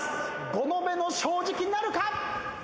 五度目の正直なるか？